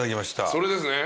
それですね。